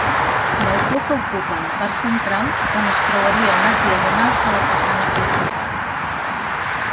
Balcó que ocupa la part central on es creuarien les diagonals de la façana principal.